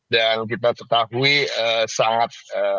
dan kita ketahui sangat